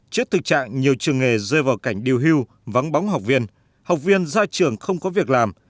trước thực trạng nhiều trường nghề rơi vào cảnh điều hưu vắng bóng học viên học viên ra trường không có việc làm